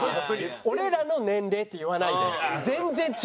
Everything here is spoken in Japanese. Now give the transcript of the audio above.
「俺らの年齢」って言わないで。